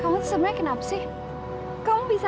kamu sebenarnya kenapa sih kamu bisa